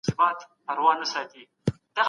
پښتو ژبه زموږ د ویاړلي تاریخ یو ژوندی سند دی